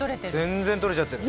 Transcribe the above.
全然取れちゃってる。